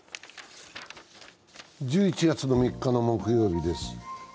１１月３日の木曜日です。